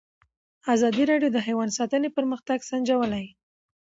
ازادي راډیو د حیوان ساتنه پرمختګ سنجولی.